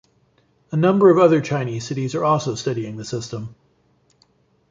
A number of other Chinese cities are also studying the system.